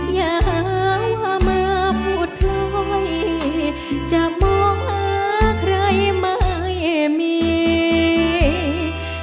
อย่ามาพูดพลอยจากมองอาใครไม่มี